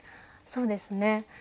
そうですね。